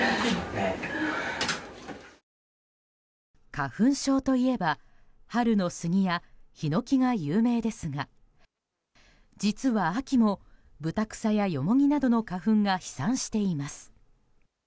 花粉症といえば、春のスギやヒノキが有名ですが実は、秋もブタクサやヨモギなどの花粉が飛散しています。